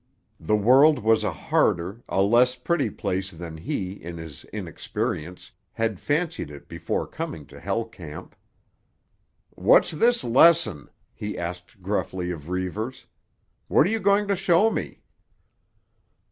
The world was a harder, a less pretty place than he, in his inexperience, had fancied it before coming to Hell Camp. "What's this lesson?" he asked gruffly of Reivers. "What are you going to show me?"